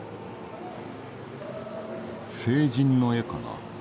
聖人の絵かな。